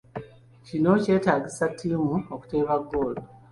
Kino kyetaagisa ttiimu okuteeba goal.